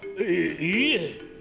いいいえ！